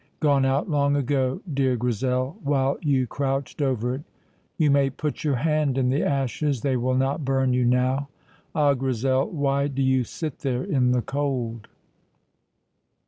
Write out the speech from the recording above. Gone out long ago, dear Grizel, while you crouched over it. You may put your hand in the ashes; they will not burn you now. Ah, Grizel, why do you sit there in the cold?